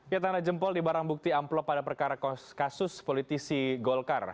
ya tanda jempol di barang bukti amplop pada perkara kasus politisi golkar